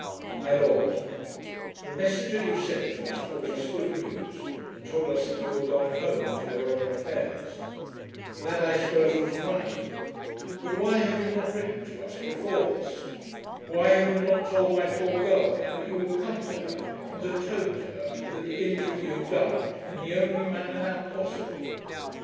MY LORD, The messenger you sent to us brought us good news, and told us that you were gone home to your own affairs. That I suppose was right, but why have you not written to us before this? Why have you not told my poor girl that you will come to her, and atone to her for the injury you have done in the only manner now possible?